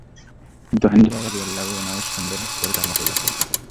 কিন্তু হানজালা রাযিয়াল্লাহু আনহু অত্যন্ত সুন্দর করে তার মোকাবিলা করেন।